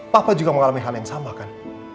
papa juga mengalami hal yang sama kan